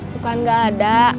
bukan gak ada